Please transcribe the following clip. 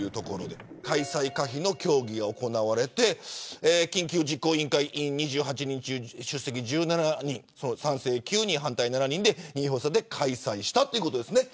開催可否の協議が行われて緊急実行委員会の委員２８人中、出席が１７人で賛成９人、反対７人で開催した。